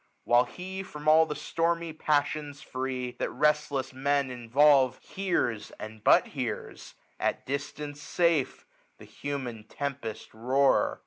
While he, from all the stormy ps^ssions free That restless Men involve, hears, and but hears» At distance safe, the human tempest roar.